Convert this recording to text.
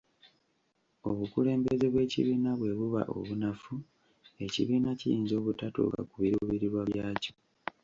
Obukulembeze bw’ekibiina bwe buba obunafu, ekibiina kiyinza obutatuuka ku biruubirirwa byakyo.